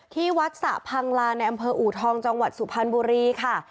ที่วัดสะพังลาในอำเภออูทองจังหวัดสุพรรณบุรีค่ะ